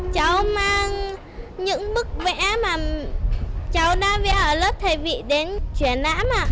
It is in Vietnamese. cháu mang những bức vẽ mà cháu đã vẽ ở lớp thầy vị đến chuyển